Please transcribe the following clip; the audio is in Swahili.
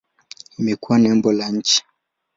Imekuwa nembo la nchi.